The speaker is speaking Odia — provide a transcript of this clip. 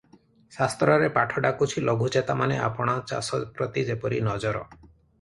ଶାସ୍ତ୍ରରେ ପାଠ ଡାକୁଛି ଲଘୁଚେତାମାନେ ଆପଣା ଚାଷ ପ୍ରତି ଯେପରି ନଜର